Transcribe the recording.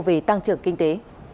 về tăng trưởng kinh tế